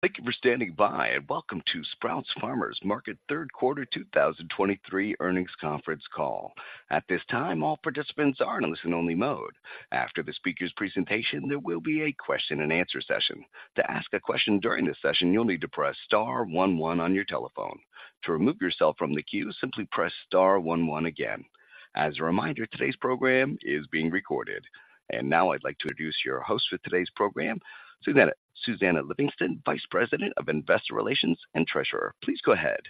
Thank you for standing by, and welcome to Sprouts Farmers Market third quarter 2023 earnings conference call. At this time, all participants are in a listen-only mode. After the speaker's presentation, there will be a question and answer session. To ask a question during this session, you'll need to press star one one on your telephone. To remove yourself from the queue, simply press star one one again. As a reminder, today's program is being recorded. And now I'd like to introduce your host for today's program, Susannah, Susannah Livingston, Vice President of Investor Relations and Treasurer. Please go ahead.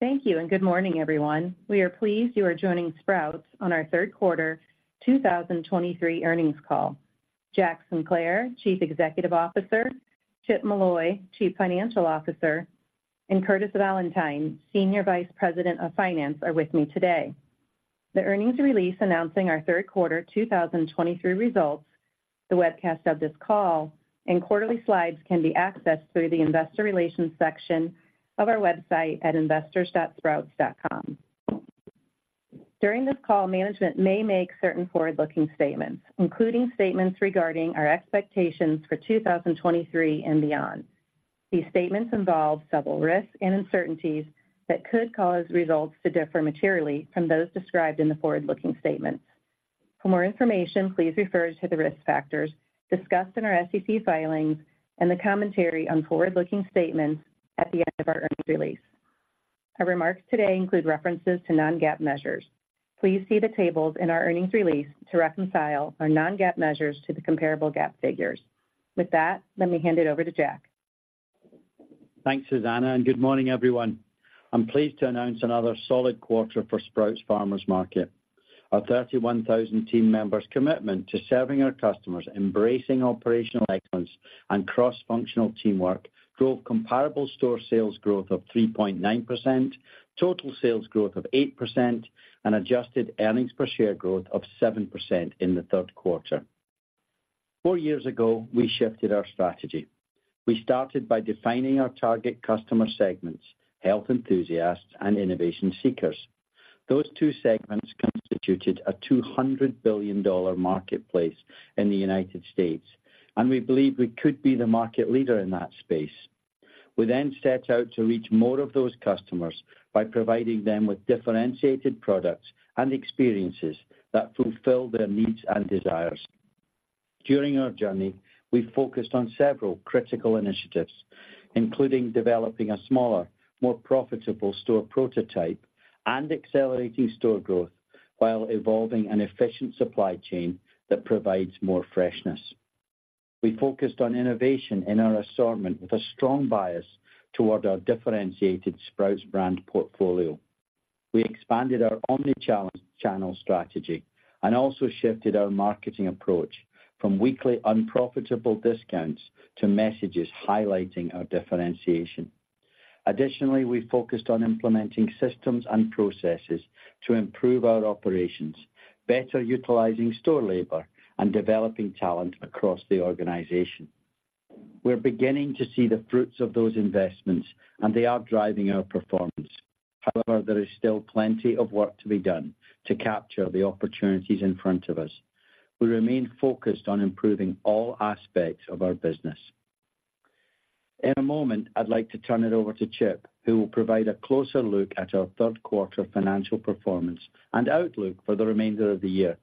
Thank you, and good morning, everyone. We are pleased are joining Sprouts on our third quarter 2023 earnings call. Jack Sinclair, Chief Executive Officer, Chip Molloy, Chief Financial Officer, and Curtis Valentine, Senior Vice President of Finance, are with me today. The earnings release announcing our third quarter 2023 results, the webcast of this call, and quarterly slides can be accessed through the Investor Relations section of our website at investor.sprouts.com. During this call, management may make certain forward-looking statements, including statements regarding our expectations for 2023 and beyond. These statements involve several risks and uncertainties that could cause results to differ materially from those described in the forward-looking statements. For more information, please refer to the risk factors discussed in our SEC filings and the commentary on forward-looking statements at the end of our earnings release. Our remarks today include references to non-GAAP measures. Please see the tables in our earnings release to reconcile our non-GAAP measures to the comparable GAAP figures. With that, let me hand it over to Jack. Thanks, Susannah, and good morning, everyone. I'm pleased to announce another solid quarter for Sprouts Farmers Market. Our 31,000 team members' commitment to serving our customers, embracing operational excellence, and cross-functional teamwork drove comparable store sales growth of 3.9%, total sales growth of 8%, and adjusted earnings per share growth of 7% in the third quarter. Four years ago, we shifted our strategy. We started by defining our target customer segments, health enthusiasts and innovation seekers. Those two segments constituted a $200 billion marketplace in the United States, and we believe we could be the market leader in that space. We then set out to reach more of those customers by providing them with differentiated products and experiences that fulfill their needs and desires. During our journey, we focused on several critical initiatives, including developing a smaller, more profitable store prototype and accelerating store growth while evolving an efficient supply chain that provides more freshness. We focused on innovation in our assortment with a strong bias toward our differentiated Sprouts Brand portfolio. We expanded our omni-channel channel strategy and also shifted our marketing approach from weekly unprofitable discounts to messages highlighting our differentiation. Additionally, we focused on implementing systems and processes to improve our operations, better utilizing store labor and developing talent across the organization. We're beginning to see the fruits of those investments, and they are driving our performance. However, there is still plenty of work to be done to capture the opportunities in front of us. We remain focused on improving all aspects of our business. In a moment, I'd like to turn it over to Chip, who will provide a closer look at our third quarter financial performance and outlook for the remainder of the year.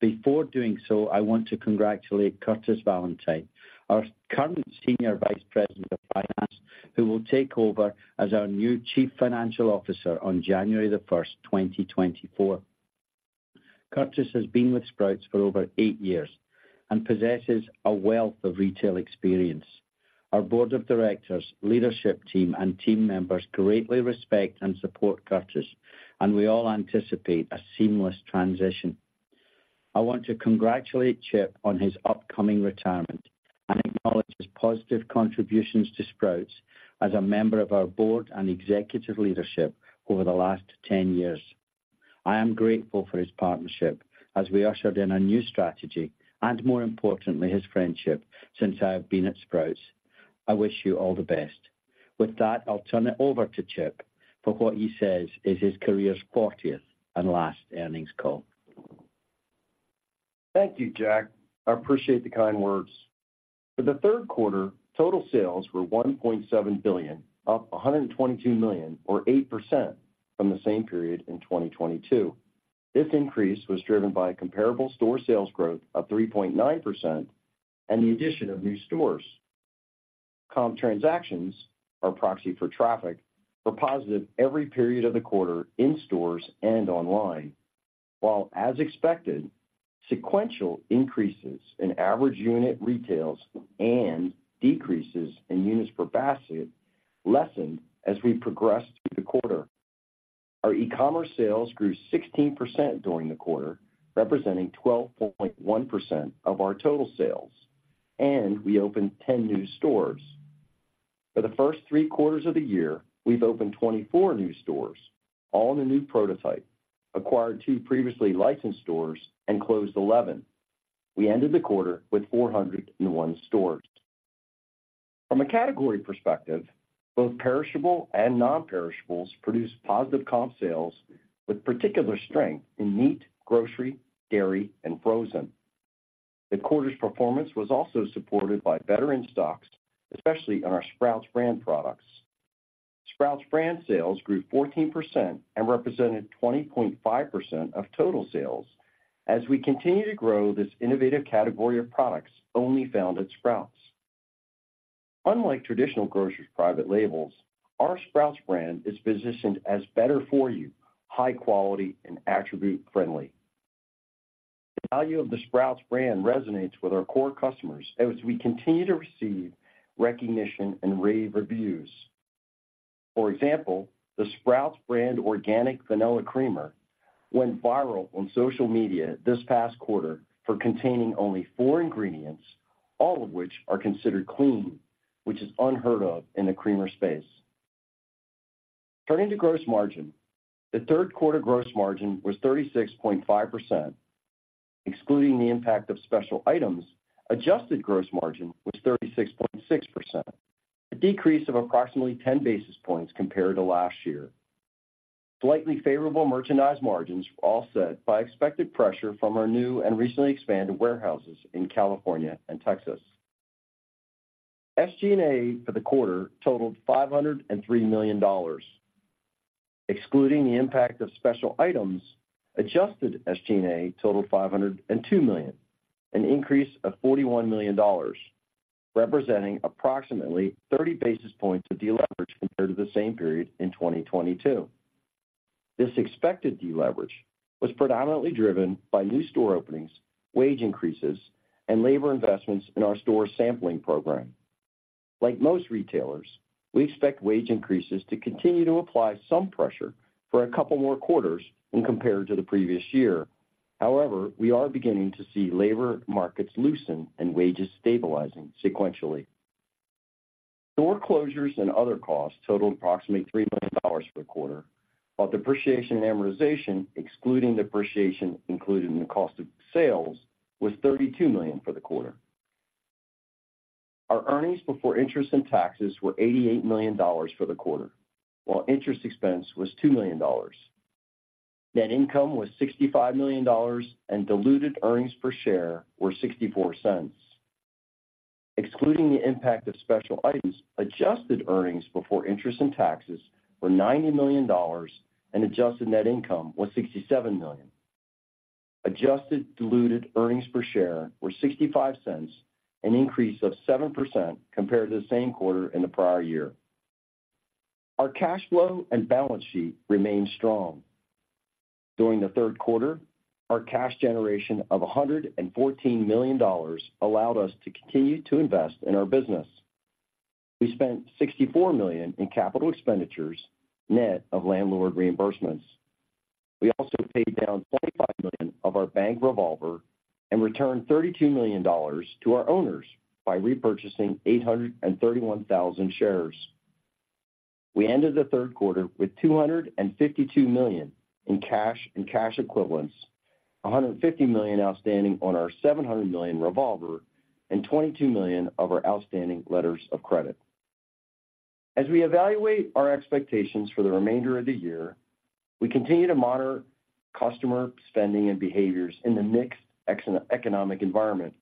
Before doing so, I want to congratulate Curtis Valentine, our current Senior Vice President of Finance, who will take over as our new Chief Financial Officer on January 1st, 2024. Curtis has been with Sprouts for over eight years and possesses a wealth of retail experience. Our board of directors, leadership team, and team members greatly respect and support Curtis, and we all anticipate a seamless transition. I want to congratulate Chip on his upcoming retirement and acknowledge his positive contributions to Sprouts as a member of our board and executive leadership over the last 10 years. I am grateful for his partnership as we ushered in a new strategy, and more importantly, his friendship since I have been at Sprouts. I wish you all the best. With that, I'll turn it over to Chip for what he says is his career's fortieth and last earnings call. Thank you, Jack. I appreciate the kind words. For the third quarter, total sales were $1.7 billion, up $122 million or 8% from the same period in 2022. This increase was driven by comparable store sales growth of 3.9% and the addition of new stores. Comp transactions, or proxy for traffic, were positive every period of the quarter in stores and online, while, as expected, sequential increases in average unit retails and decreases in units per basket lessened as we progressed through the quarter. Our e-commerce sales grew 16% during the quarter, representing 12.1% of our total sales, and we opened 10 new stores. For the first three quarters of the year, we've opened 24 new stores, all in a new prototype, acquired two previously licensed stores, and closed 11. We ended the quarter with 401 stores. From a category perspective, both perishable and non-perishables produced positive comp sales, with particular strength in meat, grocery, dairy, and frozen. The quarter's performance was also supported by better in-stocks, especially on our Sprouts Brand products. Sprouts Brand sales grew 14% and represented 20.5% of total sales, as we continue to grow this innovative category of products only found at Sprouts. Unlike traditional grocery's private labels, our Sprouts Brand is positioned as better for you, high quality, and attribute-friendly. The value of the Sprouts Brand resonates with our core customers as we continue to receive recognition and rave reviews. For example, the Sprouts Brand Organic Vanilla Creamer went viral on social media this past quarter for containing only four ingredients, all of which are considered clean, which is unheard of in the creamer space. Turning to gross margin. The third quarter gross margin was 36.5%. Excluding the impact of special items, adjusted gross margin was 36.6%, a decrease of approximately 10 basis points compared to last year. Slightly favorable merchandise margins were offset by expected pressure from our new and recently expanded warehouses in California and Texas. SG&A for the quarter totaled $503 million. Excluding the impact of special items, adjusted SG&A totaled $502 million, an increase of $41 million, representing approximately 30 basis points of deleverage compared to the same period in 2022. This expected deleverage was predominantly driven by new store openings, wage increases, and labor investments in our store sampling program. Like most retailers, we expect wage increases to continue to apply some pressure for a couple more quarters when compared to the previous year. However, we are beginning to see labor markets loosen and wages stabilizing sequentially. Store closures and other costs totaled approximately $3 million per quarter, while depreciation and amortization, excluding depreciation included in the cost of sales, was $32 million for the quarter. Our earnings before interest and taxes were $88 million for the quarter, while interest expense was $2 million. Net income was $65 million, and diluted earnings per share were $0.64. Excluding the impact of special items, Adjusted earnings before interest and taxes were $90 million, and adjusted net income was $67 million. Adjusted diluted earnings per share were $0.65, an increase of 7% compared to the same quarter in the prior year. Our cash flow and balance sheet remain strong. During the third quarter, our cash generation of $114 million allowed us to continue to invest in our business. We spent $64 million in capital expenditures, net of landlord reimbursements. We also paid down $25 million of our bank revolver and returned $32 million to our owners by repurchasing 831,000 shares. We ended the third quarter with $252 million in cash and cash equivalents, $150 million outstanding on our $700 million revolver, and $22 million of our outstanding letters of credit. As we evaluate our expectations for the remainder of the year, we continue to monitor customer spending and behaviors in the mixed economic environment.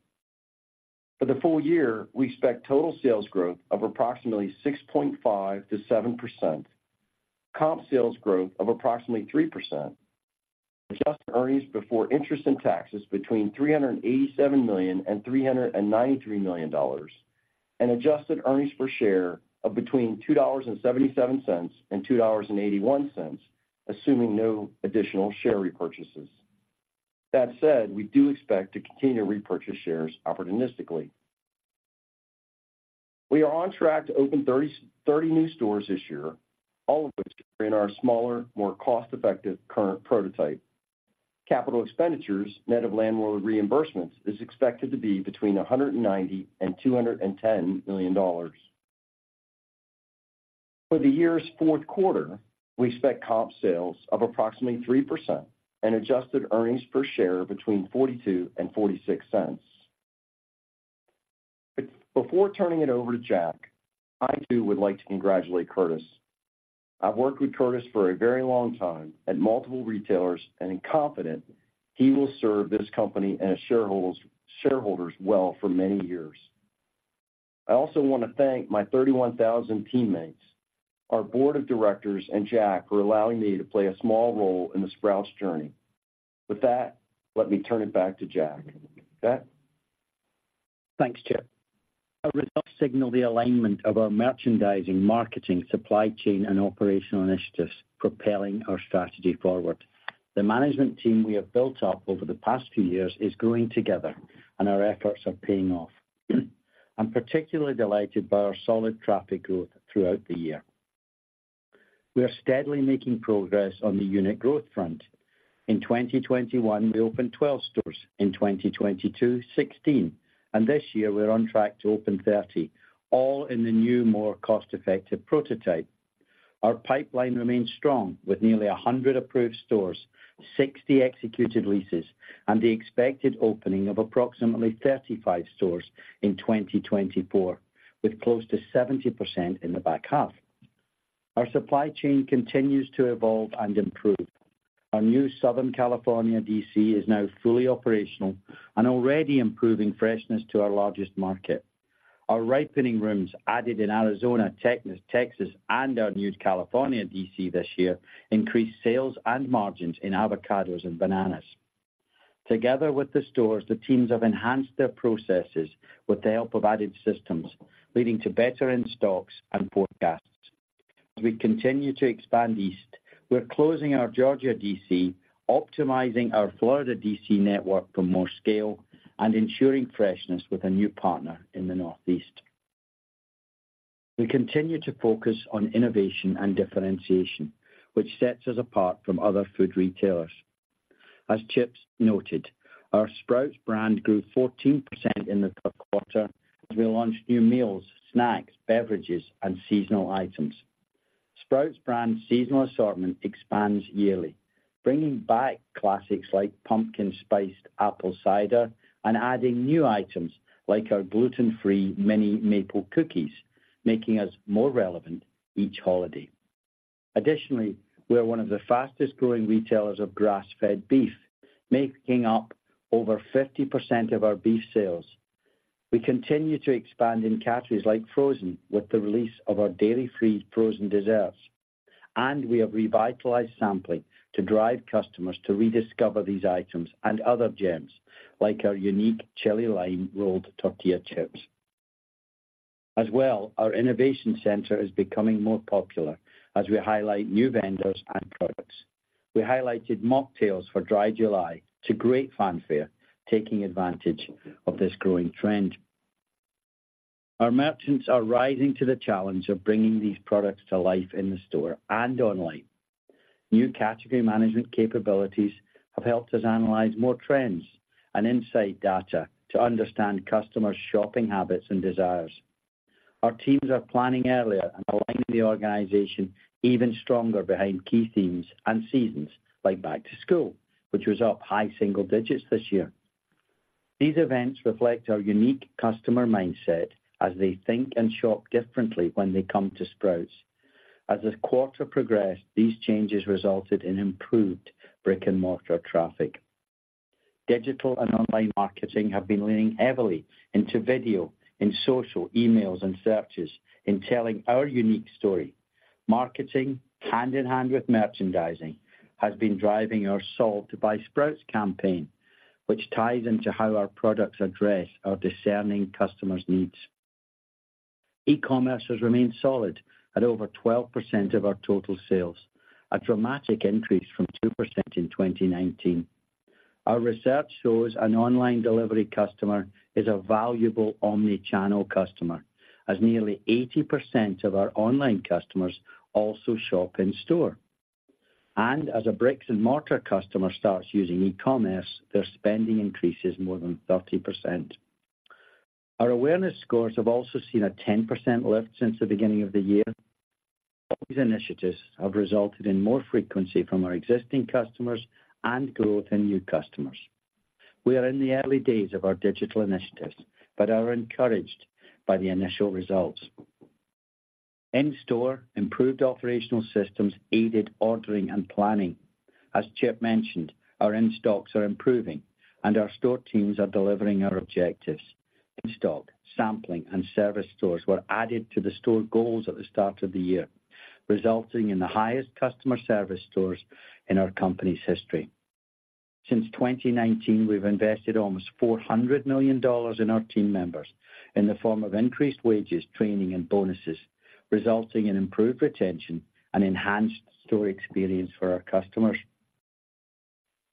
For the full year, we expect total sales growth of approximately 6.5%-7%, comp sales growth of approximately 3%, adjusted earnings before interest and taxes between $387 million and $393 million, and adjusted earnings per share of between $2.77 and $2.81, assuming no additional share repurchases. That said, we do expect to continue to repurchase shares opportunistically. We are on track to open 30 new stores this year, all of which are in our smaller, more cost-effective current prototype. Capital expenditures, net of landlord reimbursements, is expected to be between $190 million and $210 million. For the year's fourth quarter, we expect comp sales of approximately 3% and adjusted earnings per share between $0.42 and $0.46. Before turning it over to Jack, I too would like to congratulate Curtis. I've worked with Curtis for a very long time at multiple retailers and am confident he will serve this company and its shareholders, shareholders well for many years. I also want to thank my 31,000 teammates, our board of directors, and Jack for allowing me to play a small role in the Sprouts journey. With that, let me turn it back to Jack. Jack? Thanks, Chip. Our results signal the alignment of our merchandising, marketing, supply chain, and operational initiatives propelling our strategy forward. The management team we have built up over the past few years is growing together, and our efforts are paying off. I'm particularly delighted by our solid traffic growth throughout the year. We are steadily making progress on the unit growth front. In 2021, we opened 12 stores, in 2022, 16, and this year we're on track to open 30, all in the new, more cost-effective prototype. Our pipeline remains strong with nearly 100 approved stores, 60 executed leases, and the expected opening of approximately 35 stores in 2024, with close to 70% in the back half. Our supply chain continues to evolve and improve. Our new Southern California DC is now fully operational and already improving freshness to our largest market. Our ripening rooms added in Arizona, Texas, and our new California DC this year, increased sales and margins in avocados and bananas. Together with the stores, the teams have enhanced their processes with the help of added systems, leading to better in stocks and forecasts. As we continue to expand east, we're closing our Georgia DC, optimizing our Florida DC network for more scale, and ensuring freshness with a new partner in the Northeast. We continue to focus on innovation and differentiation, which sets us apart from other food retailers. As Chip noted, our Sprouts Brand grew 14% in the third quarter as we launched new meals, snacks, beverages, and seasonal items. Sprouts Brand seasonal assortment expands yearly, bringing back classics like pumpkin spiced apple cider and adding new items like our gluten-free mini maple cookies, making us more relevant each holiday. Additionally, we are one of the fastest-growing retailers of grass-fed beef, making up over 50% of our beef sales. We continue to expand in categories like frozen, with the release of our dairy-free frozen desserts, and we have revitalized sampling to drive customers to rediscover these items and other gems, like our unique chili lime rolled tortilla chips. As well, our innovation center is becoming more popular as we highlight new vendors and products. We highlighted mocktails for Dry July to great fanfare, taking advantage of this growing trend. Our merchants are rising to the challenge of bringing these products to life in the store and online. New category management capabilities have helped us analyze more trends and insight data to understand customers' shopping habits and desires. Our teams are planning earlier and aligning the organization even stronger behind key themes and seasons, like Back to School, which was up high single digits this year. These events reflect our unique customer mindset as they think and shop differently when they come to Sprouts. As the quarter progressed, these changes resulted in improved brick-and-mortar traffic. Digital and online marketing have been leaning heavily into video, in social, emails, and searches in telling our unique story. Marketing, hand in hand with merchandising, has been driving our Solve to Buy Sprouts campaign, which ties into how our products address our discerning customers' needs. E-commerce has remained solid at over 12% of our total sales, a dramatic increase from 2% in 2019. Our research shows an online delivery customer is a valuable omni-channel customer, as nearly 80% of our online customers also shop in store. As a brick-and-mortar customer starts using e-commerce, their spending increases more than 30%. Our awareness scores have also seen a 10% lift since the beginning of the year. All these initiatives have resulted in more frequency from our existing customers and growth in new customers. We are in the early days of our digital initiatives, but are encouraged by the initial results. In store, improved operational systems aided ordering and planning. As Chip mentioned, our in-stocks are improving, and our store teams are delivering our objectives. In-stock, sampling, and service scores were added to the store goals at the start of the year, resulting in the highest customer service scores in our company's history. Since 2019, we've invested almost $400 million in our team members in the form of increased wages, training, and bonuses, resulting in improved retention and enhanced store experience for our customers.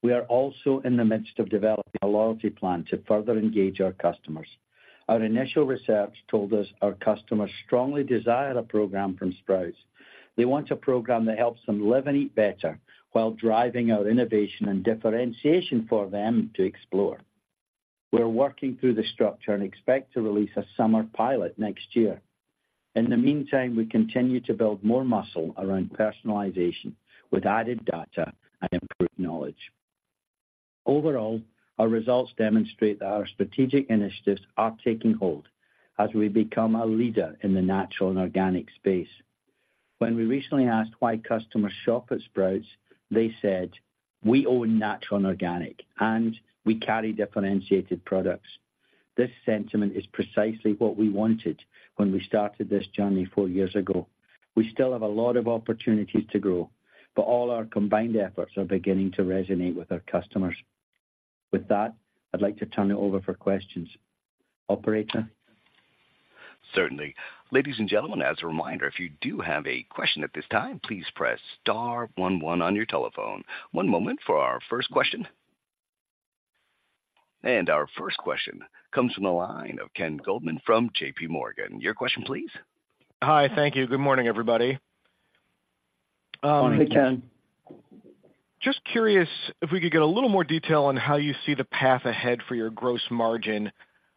We are also in the midst of developing a loyalty plan to further engage our customers. Our initial research told us our customers strongly desire a program from Sprouts. They want a program that helps them live and eat better while driving our innovation and differentiation for them to explore. We're working through the structure and expect to release a summer pilot next year. In the meantime, we continue to build more muscle around personalization with added data and improved knowledge. Overall, our results demonstrate that our strategic initiatives are taking hold as we become a leader in the natural and organic space. When we recently asked why customers shop at Sprouts, they said, "We own natural and organic, and we carry differentiated products." This sentiment is precisely what we wanted when we started this journey four years ago. We still have a lot of opportunities to grow, but all our combined efforts are beginning to resonate with our customers. With that, I'd like to turn it over for questions. Operator? Certainly. Ladies and gentlemen, as a reminder, if you do have a question at this time, please press star one one on your telephone. One moment for our first question. Our first question comes from the line of Ken Goldman from JP Morgan. Your question, please. Hi. Thank you. Good morning, everybody. Morning, Ken. Just curious if we could get a little more detail on how you see the path ahead for your gross margin.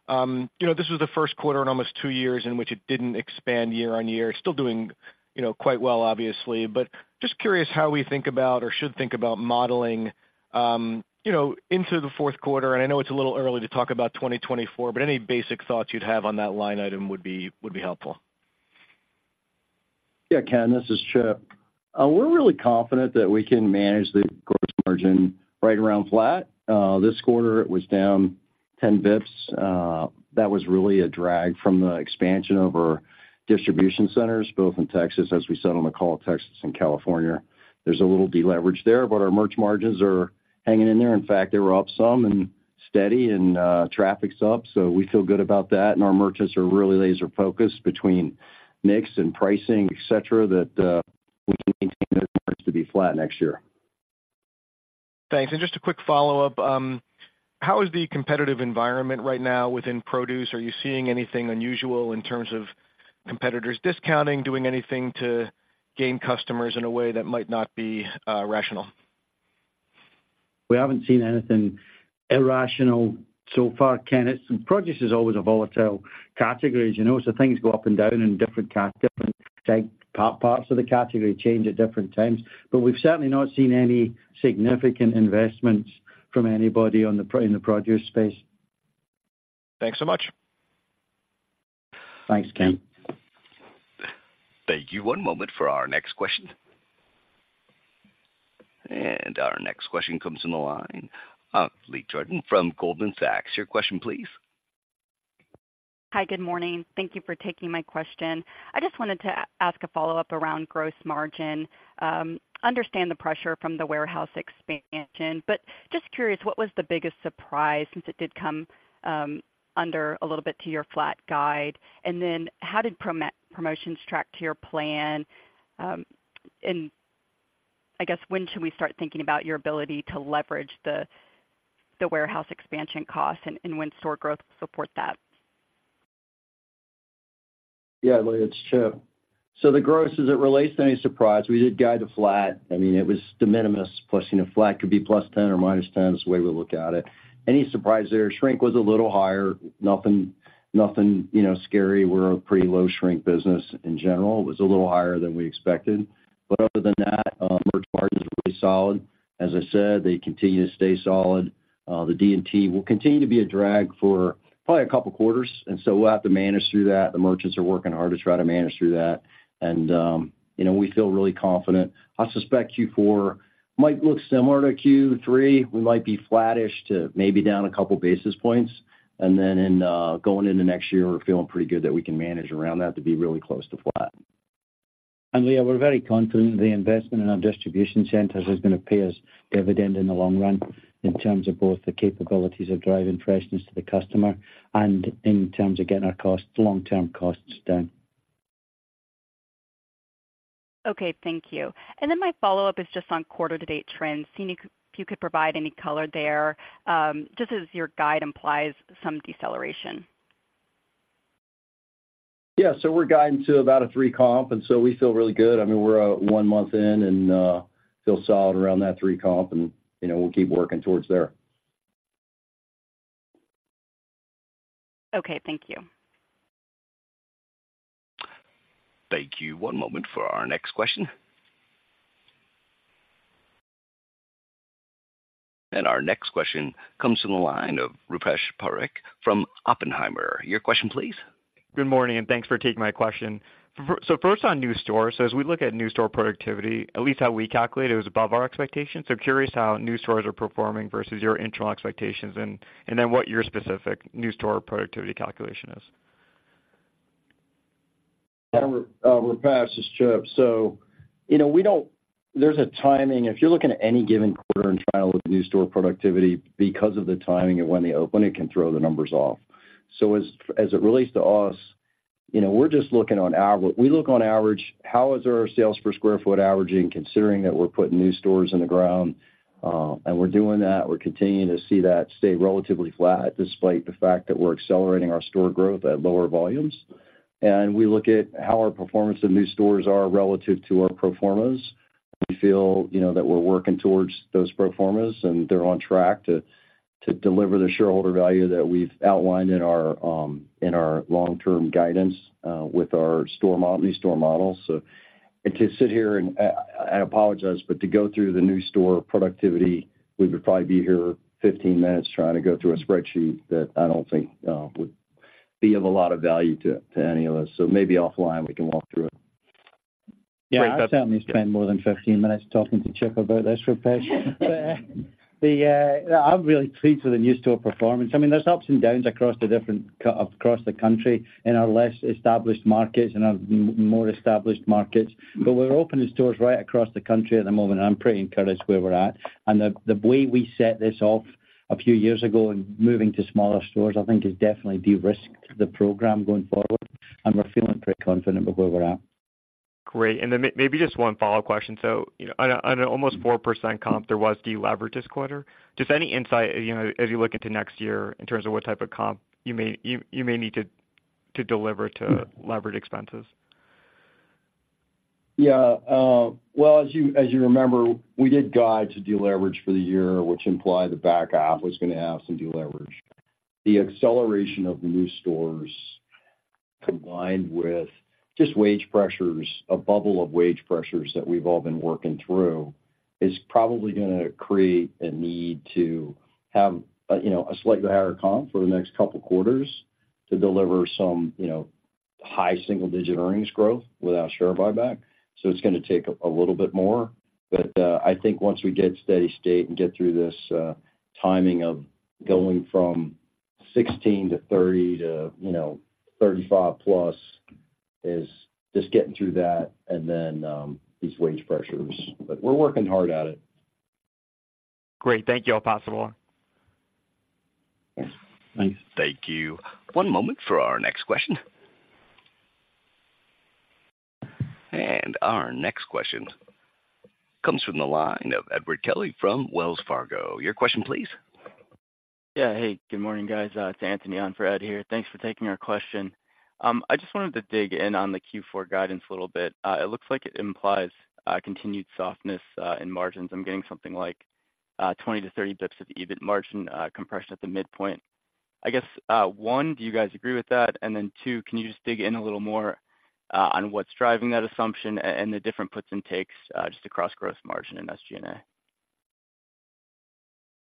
You know, this was the first quarter in almost two years in which it didn't expand year-over-year. Still doing, you know, quite well, obviously, but just curious how we think about or should think about modeling, you know, into the fourth quarter. I know it's a little early to talk about 2024, but any basic thoughts you'd have on that line item would be, would be helpful. Yeah, Ken, this is Chip. We're really confident that we can manage the gross margin right around flat. This quarter, it was down 10 bps. That was really a drag from the expansion of our distribution centers, both in Texas, as we said on the call, Texas and California. There's a little deleverage there, but our merch margins are hanging in there. In fact, they were up some and steady, and traffic's up, so we feel good about that. And our merchants are really laser focused between mix and pricing, et cetera, that we can maintain those margins to be flat next year. Thanks. Just a quick follow-up. How is the competitive environment right now within produce? Are you seeing anything unusual in terms of competitors discounting, doing anything to gain customers in a way that might not be rational? We haven't seen anything irrational so far, Ken. Produce is always a volatile category, as you know, so things go up and down in different parts of the category change at different times. But we've certainly not seen any significant investments from anybody on the, in the produce space. Thanks so much. Thanks, Ken. Thank you. One moment for our next question. Our next question comes from the line of Leah Jordan from Goldman Sachs. Your question, please. Hi, good morning. Thank you for taking my question. I just wanted to ask a follow-up around gross margin. Understand the pressure from the warehouse expansion, but just curious, what was the biggest surprise, since it did come under a little bit to your flat guide? And then how did promotions track to your plan, and I guess, when should we start thinking about your ability to leverage the warehouse expansion costs and when store growth support that? Yeah, Leah, it's Chip. So the gross, as it relates to any surprise, we did guide to flat. I mean, it was de minimis. Plus, you know, flat could be +10 or -10 is the way we look at it. Any surprise there, shrink was a little higher. Nothing, nothing, you know, scary. We're a pretty low shrink business in general. It was a little higher than we expected, but other than that, merch margins are really solid. As I said, they continue to stay solid. The D&T will continue to be a drag for probably a couple quarters, and so we'll have to manage through that. The merchants are working hard to try to manage through that. And, you know, we feel really confident. I suspect Q4 might look similar to Q3. We might be flattish to maybe down a couple basis points. And then in, going into next year, we're feeling pretty good that we can manage around that to be really close to flat. Leah, we're very confident the investment in our distribution centers is gonna pay us dividend in the long run, in terms of both the capabilities of driving freshness to the customer and in terms of getting our costs, long-term costs down. Okay, thank you. And then my follow-up is just on quarter-to-date trends. Seeing if you could provide any color there, just as your guide implies some deceleration. Yeah, so we're guiding to about a three comp, and so we feel really good. I mean, we're one month in and feel solid around that three comp, and you know, we'll keep working towards there. Okay, thank you. Thank you. One moment for our next question. Our next question comes from the line of Rupesh Parikh from Oppenheimer. Your question, please. Good morning, and thanks for taking my question. So first on new stores. So as we look at new store productivity, at least how we calculate it, it was above our expectations. So curious how new stores are performing versus your internal expectations, and, and then what your specific new store productivity calculation is. Rupesh, this is Chip. So, you know, we don't. There's a timing. If you're looking at any given quarter and trying to look at new store productivity because of the timing of when they open, it can throw the numbers off. So as, as it relates to us, you know, we're just looking on average. We look on average, how is our sales per square foot averaging, considering that we're putting new stores in the ground, and we're doing that. We're continuing to see that stay relatively flat, despite the fact that we're accelerating our store growth at lower volumes. And we look at how our performance in new stores are relative to our pro formas. We feel, you know, that we're working towards those pro formas, and they're on track to deliver the shareholder value that we've outlined in our in our long-term guidance with our store model, new store model. So to sit here and I apologize, but to go through the new store productivity, we would probably be here 15 minutes trying to go through a spreadsheet that I don't think would be of a lot of value to any of us. So maybe offline, we can walk through it. Yeah, I'd certainly spend more than 15 minutes talking to Chip about this, Rupesh. I'm really pleased with the new store performance. I mean, there's ups and downs across the different across the country, in our less established markets, in our more established markets, but we're opening stores right across the country at the moment. I'm pretty encouraged where we're at. And the way we set this off a few years ago and moving to smaller stores, I think, has definitely de-risked the program going forward, and we're feeling pretty confident about where we're at. Great. And then maybe just one follow-up question. So, you know, on an almost 4% comp, there was deleverage this quarter. Just any insight, you know, as you look into next year, in terms of what type of comp you may need to deliver to leverage expenses? Yeah, well, as you, as you remember, we did guide to deleverage for the year, which implied the back half was gonna have some deleverage. The acceleration of the new stores, combined with just wage pressures, a bubble of wage pressures that we've all been working through, is probably gonna create a need to have, you know, a slightly higher comp for the next couple of quarters to deliver some, you know, high single-digit earnings growth without share buyback. So it's gonna take a little bit more, but, I think once we get steady state and get through this, timing of going from 16 to 30 to, you know, 35+, is just getting through that and then, these wage pressures. But we're working hard at it. Great. Thank you, all. I'll pass it on. Thank you. One moment for our next question. Our next question comes from the line of Edward Kelly from Wells Fargo. Your question, please? Yeah. Hey, good morning, guys. It's Anthony on for Ed here. Thanks for taking our question. I just wanted to dig in on the Q4 guidance a little bit. It looks like it implies continued softness in margins. I'm getting something like 20-30 dips at the EBIT margin compression at the midpoint. I guess one, do you guys agree with that? And then, two, can you just dig in a little more on what's driving that assumption a-and the different puts and takes just across gross margin and SG&A?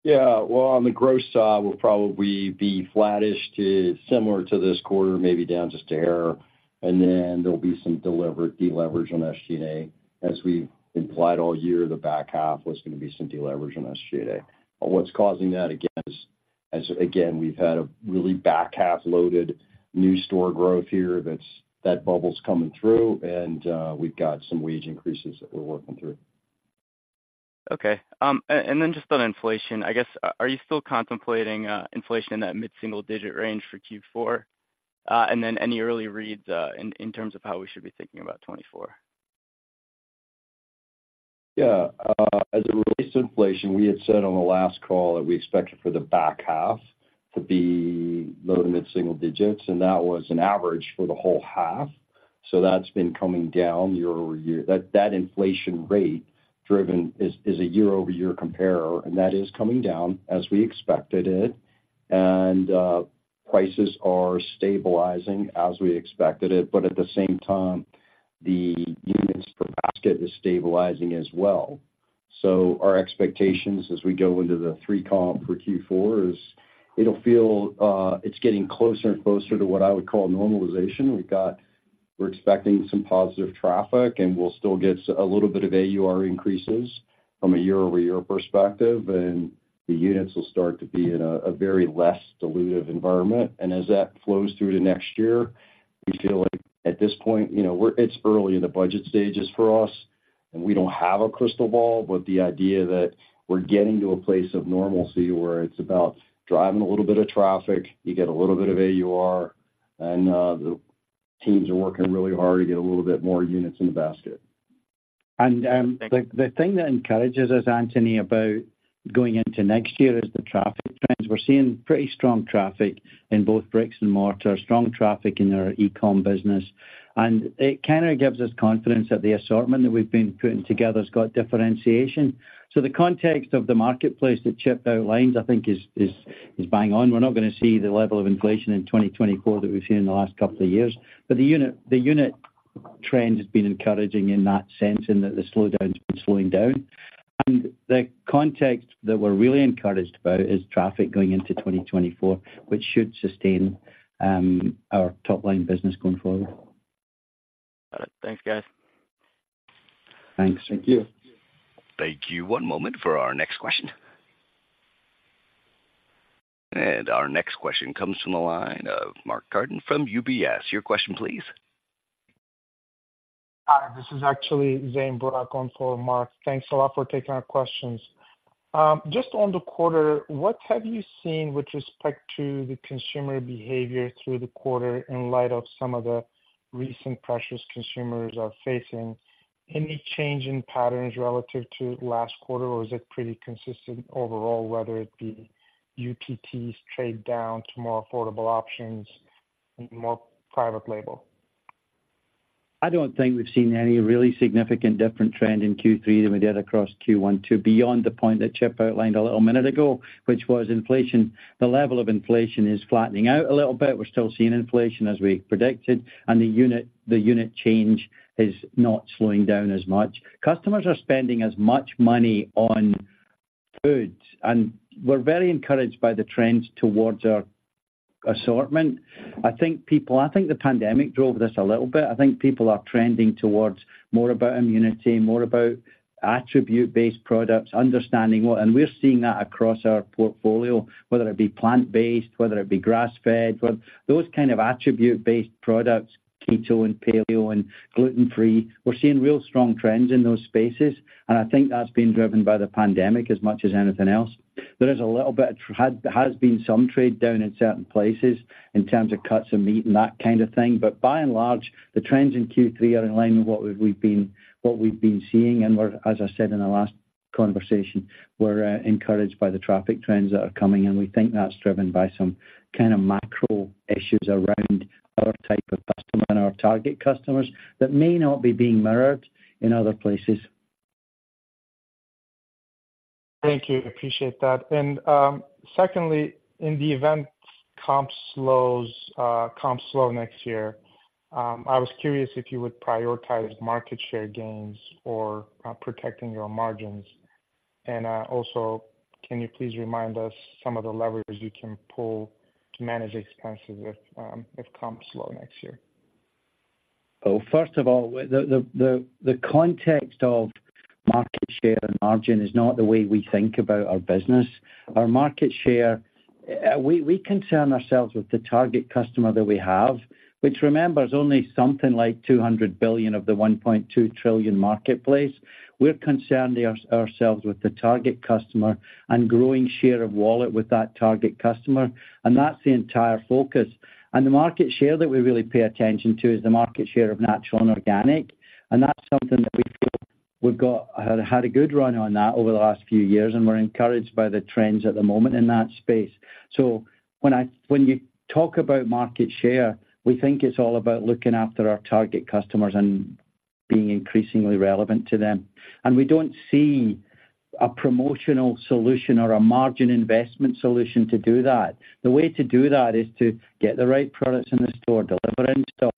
Yeah. Well, on the gross side, we'll probably be flattish to similar to this quarter, maybe down just a hair, and then there'll be some deleverage on SG&A. As we've implied all year, the back half was gonna be some deleverage on SG&A. But what's causing that, again, is, as again, we've had a really back half-loaded new store growth here. That's, that bubble's coming through, and we've got some wage increases that we're working through. Okay. And then just on inflation, I guess, are you still contemplating inflation in that mid-single digit range for Q4? And then any early reads in terms of how we should be thinking about 2024. Yeah, as it relates to inflation, we had said on the last call that we expected for the back half to be low to mid-single digits, and that was an average for the whole half, so that's been coming down year-over-year. That inflation rate driven is a year-over-year comparer, and that is coming down as we expected it. And prices are stabilizing as we expected it, but at the same time, the units per basket is stabilizing as well. So our expectations as we go into the three comp for Q4 is it'll feel, it's getting closer and closer to what I would call normalization. We're expecting some positive traffic, and we'll still get a little bit of AUR increases from a year-over-year perspective, and the units will start to be in a very less dilutive environment. As that flows through to next year, we feel like at this point, you know, it's early in the budget stages for us, and we don't have a crystal ball, but the idea that we're getting to a place of normalcy where it's about driving a little bit of traffic, you get a little bit of AUR, and the teams are working really hard to get a little bit more units in the basket. The thing that encourages us, Anthony, about going into next year is the traffic trends. We're seeing pretty strong traffic in both bricks and mortar, strong traffic in our e-com business, and it kind of gives us confidence that the assortment that we've been putting together has got differentiation. So the context of the marketplace that Chip outlines, I think is bang on. We're not gonna see the level of inflation in 2024 that we've seen in the last couple of years, but the unit trend has been encouraging in that sense, in that the slowdown has been slowing down. The context that we're really encouraged about is traffic going into 2024, which should sustain our top-line business going forward. Got it. Thanks, guys. Thanks. Thank you. Thank you. One moment for our next question. Our next question comes from the line of Mark Carden from UBS. Your question, please. Hi, this is actually Zeyn Burak on for Mark. Thanks a lot for taking our questions. Just on the quarter, what have you seen with respect to the consumer behavior through the quarter in light of some of the recent pressures consumers are facing? Any change in patterns relative to last quarter, or is it pretty consistent overall, whether it be UPTs trade down to more affordable options and more private label? I don't think we've seen any really significant different trend in Q3 than we did across Q1 and Q2, beyond the point that Chip outlined a little minute ago, which was inflation. The level of inflation is flattening out a little bit. We're still seeing inflation as we predicted, and the unit, the unit change is not slowing down as much. Customers are spending as much money on foods, and we're very encouraged by the trends towards our assortment. I think people—I think the pandemic drove this a little bit. I think people are trending towards more about immunity, more about attribute-based products, understanding what... We're seeing that across our portfolio, whether it be plant-based, whether it be grass-fed, whether those kind of attribute-based products, keto and paleo and gluten-free, we're seeing real strong trends in those spaces, and I think that's been driven by the pandemic as much as anything else. There has been some trade down in certain places in terms of cuts in meat and that kind of thing, but by and large, the trends in Q3 are in line with what we've been seeing, and we're, as I said in the last conversation, we're encouraged by the traffic trends that are coming, and we think that's driven by some kind of macro issues around our type of customer and our target customers that may not be being mirrored in other places. Thank you. I appreciate that. Secondly, in the event comps slows, comps slow next year, I was curious if you would prioritize market share gains or, protecting your margins? Also, can you please remind us some of the levers you can pull to manage expenses if, if comps slow next year? Well, first of all, the context of market share and margin is not the way we think about our business. Our market share, we concern ourselves with the target customer that we have, which remember, is only something like $200 billion of the $1.2 trillion marketplace. We're concerned ourselves with the target customer and growing share of wallet with that target customer, and that's the entire focus. And the market share that we really pay attention to is the market share of natural and organic, and that's something that we feel we've had a good run on that over the last few years, and we're encouraged by the trends at the moment in that space. So when you talk about market share, we think it's all about looking after our target customers and being increasingly relevant to them. And we don't see a promotional solution or a margin investment solution to do that. The way to do that is to get the right products in the store, deliver in stocks,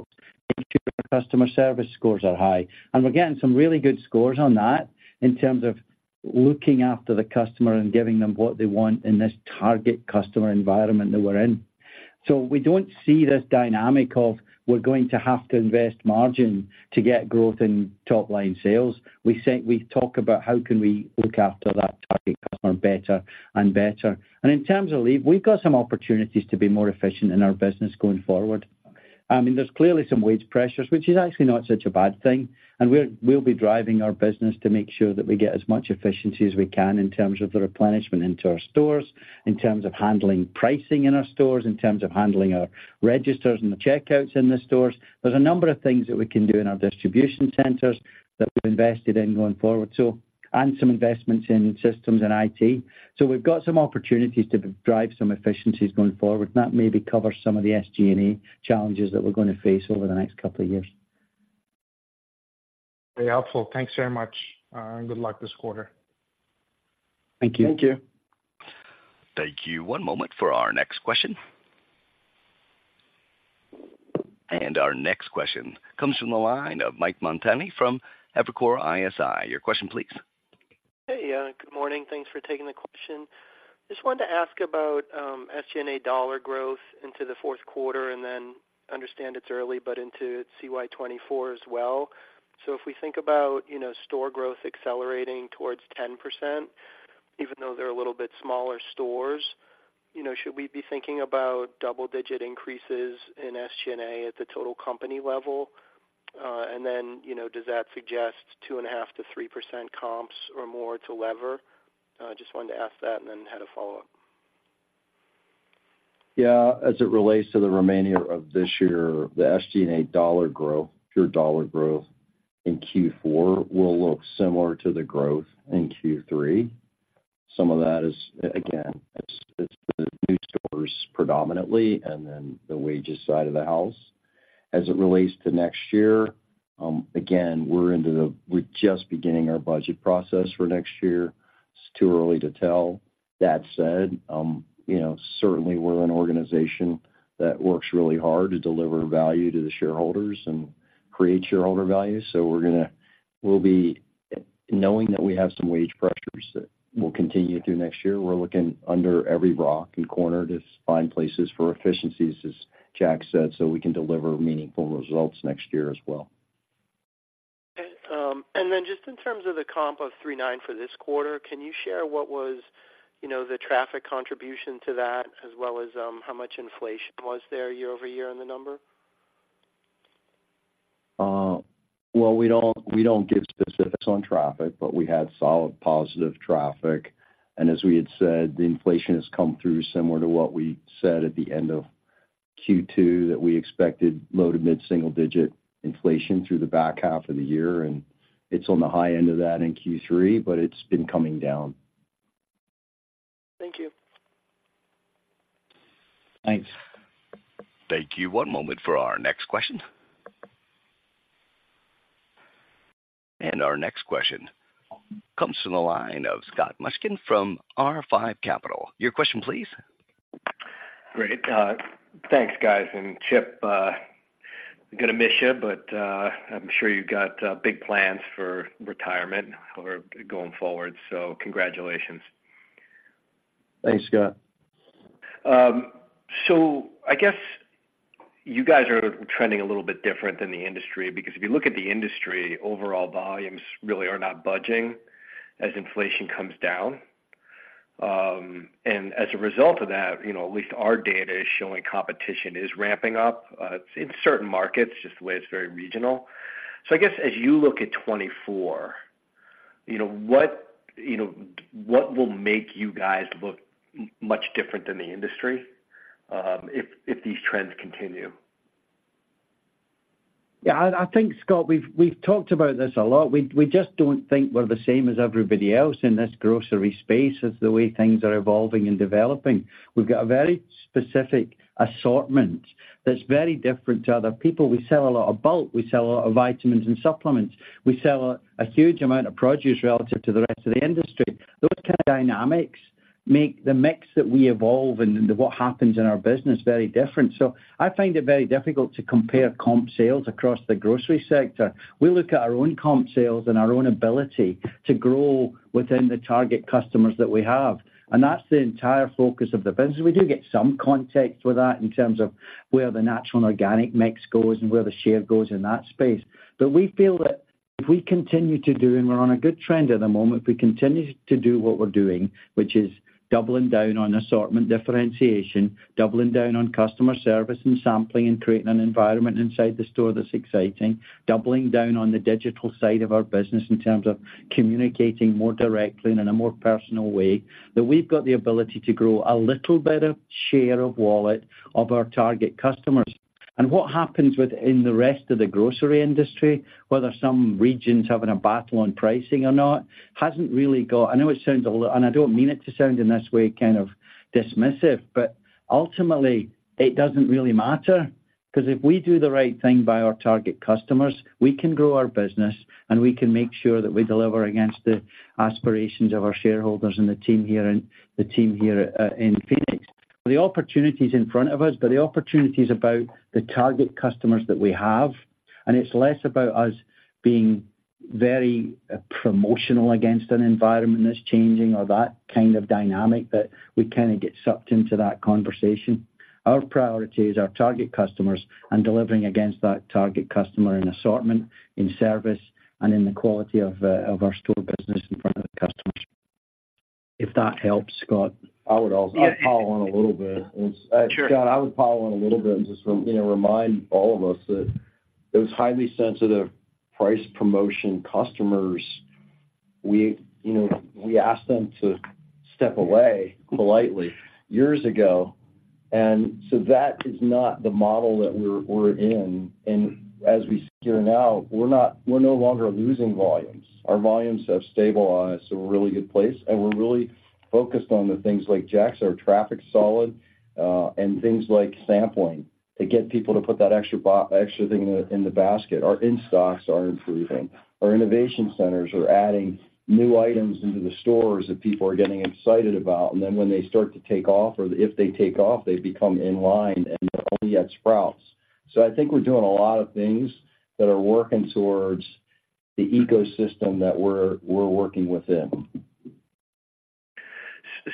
make sure our customer service scores are high. And we're getting some really good scores on that in terms of looking after the customer and giving them what they want in this target customer environment that we're in. So we don't see this dynamic of we're going to have to invest margin to get growth in top line sales. We talk about how can we look after that target customer better and better. And in terms of leave, we've got some opportunities to be more efficient in our business going forward. I mean, there's clearly some wage pressures, which is actually not such a bad thing, and we'll be driving our business to make sure that we get as much efficiency as we can in terms of the replenishment into our stores, in terms of handling pricing in our stores, in terms of handling our registers and the checkouts in the stores. There's a number of things that we can do in our distribution centers that we've invested in going forward. So, and some investments in systems and IT. So we've got some opportunities to drive some efficiencies going forward, and that maybe covers some of the SG&A challenges that we're gonna face over the next couple of years. Very helpful. Thanks very much, and good luck this quarter. Thank you. Thank you. Thank you. One moment for our next question. Our next question comes from the line of Mike Montani from Evercore ISI. Your question, please. Hey, yeah, good morning. Thanks for taking the question. Just wanted to ask about SG&A dollar growth into the fourth quarter and then understand it's early, but into CY 2024 as well. So if we think about, you know, store growth accelerating towards 10%, even though they're a little bit smaller stores, you know, should we be thinking about double-digit increases in SG&A at the total company level? And then, you know, does that suggest 2.5%-3% comps or more to lever? Just wanted to ask that and then had a follow-up. Yeah, as it relates to the remaining of this year, the SG&A dollar growth, pure dollar growth in Q4 will look similar to the growth in Q3. Some of that is, again, it's the new stores predominantly and then the wages side of the house. As it relates to next year, again, we're into the... We're just beginning our budget process for next year. It's too early to tell. That said, you know, certainly we're an organization that works really hard to deliver value to the shareholders and create shareholder value. So we're gonna, we'll be, knowing that we have some wage pressures that will continue through next year, we're looking under every rock and corner to find places for efficiencies, as Jack said, so we can deliver meaningful results next year as well. Okay, and then just in terms of the comp of 3.9 for this quarter, can you share what was, you know, the traffic contribution to that, as well as, how much inflation was there year-over-year in the number? Well, we don't, we don't give specifics on traffic, but we had solid positive traffic. As we had said, the inflation has come through similar to what we said at the end of Q2, that we expected low to mid single-digit inflation through the back half of the year, and it's on the high end of that in Q3, but it's been coming down. Thank you. Thanks. Thank you. One moment for our next question. Our next question comes from the line of Scott Mushkin from R5 Capital. Your question, please. Great. Thanks, guys. And, Chip, we're gonna miss you, but I'm sure you've got big plans for retirement or going forward. So congratulations. Thanks, Scott. So I guess you guys are trending a little bit different than the industry, because if you look at the industry, overall volumes really are not budging as inflation comes down. And as a result of that, you know, at least our data is showing competition is ramping up in certain markets, just the way it's very regional. So I guess as you look at 2024, you know, what, you know, what will make you guys look much different than the industry, if these trends continue? Yeah, I think, Scott, we've talked about this a lot. We just don't think we're the same as everybody else in this grocery space as the way things are evolving and developing. We've got a very specific assortment that's very different to other people. We sell a lot of bulk. We sell a lot of vitamins and supplements. We sell a huge amount of produce relative to the rest of the industry. Those kind of dynamics make the mix that we evolve and what happens in our business very different. So I find it very difficult to compare comp sales across the grocery sector. We look at our own comp sales and our own ability to grow within the target customers that we have, and that's the entire focus of the business. We do get some context with that in terms of where the natural and organic mix goes and where the share goes in that space. But we feel that if we continue to do, and we're on a good trend at the moment, if we continue to do what we're doing, which is doubling down on assortment differentiation, doubling down on customer service and sampling, and creating an environment inside the store that's exciting, doubling down on the digital side of our business in terms of communicating more directly and in a more personal way, that we've got the ability to grow a little bit of share of wallet of our target customers. What happens within the rest of the grocery industry, whether some regions having a battle on pricing or not, hasn't really, I know it sounds a little, and I don't mean it to sound in this way, kind of dismissive, but ultimately, it doesn't really matter because if we do the right thing by our target customers, we can grow our business, and we can make sure that we deliver against the aspirations of our shareholders and the team here in Phoenix. The opportunity is in front of us, but the opportunity is about the target customers that we have, and it's less about us being very promotional against an environment that's changing or that kind of dynamic, that we kind of get sucked into that conversation. Our priority is our target customers and delivering against that target customer in assortment, in service, and in the quality of our store business in front of the customers. If that helps, Scott? I would also...I'd follow on a little bit. Scott, I would follow on a little bit and just, you know, remind all of us that those highly sensitive price promotion customers, we, you know, we asked them to step away politely years ago, and so that is not the model that we're, we're in. And as we secure now, we're not, we're no longer losing volumes. Our volumes have stabilized, so we're in a really good place, and we're really focused on the things like Jack's, our traffic's solid, and things like sampling, to get people to put that extra extra thing in the, in the basket. Our in-stocks are improving. Our innovation centers are adding new items into the stores that people are getting excited about. And then when they start to take off, or if they take off, they become in line and they're only at Sprouts. I think we're doing a lot of things that are working towards the ecosystem that we're, we're working within.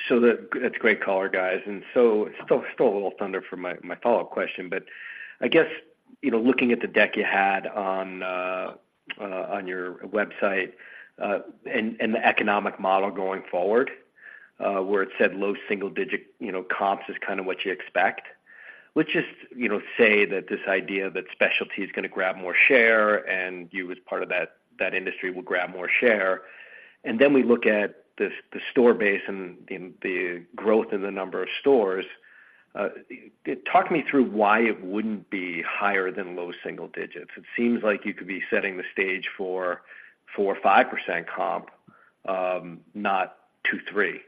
So that's a great color, guys. And so still a little thunder for my follow-up question, but I guess, you know, looking at the deck you had on your website, and the economic model going forward, where it said low single digit, you know, comps is kind of what you expect. Let's just, you know, say that this idea that specialty is gonna grab more share and you, as part of that industry, will grab more share. And then we look at the store base and the growth in the number of stores. Talk me through why it wouldn't be higher than low single digits. It seems like you could be setting the stage for 4% or 5% comp, not 2%, 3%.